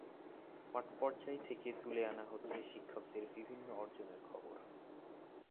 মাঠপর্যায় থেকে তুলে আনা হচ্ছে শিক্ষকদের বিভিন্ন অর্জনের খবর।